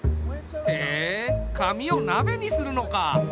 へえ紙をなべにするのか。